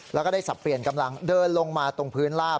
แล้วก็ได้สับเปลี่ยนกำลังเดินลงมาตรงพื้นลาบ